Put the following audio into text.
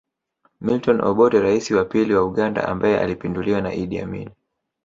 Milton Obote Rais wa pili wa Uganda ambaye alipinduliwa na Idi Amin